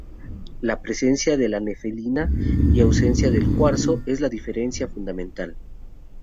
La presencia de nefelina y ausencia de cuarzo es la diferencia fundamental.